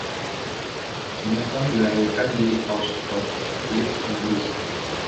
Smeaton dilahirkan di Austhorpe, Leeds, Inggris.